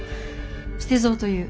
捨蔵という。